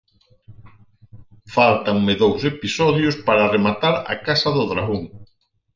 Faltanme dous episodios para rematar “a casa do Dragón”